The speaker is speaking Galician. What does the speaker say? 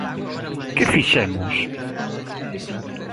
Que fixemos?